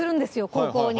高校に。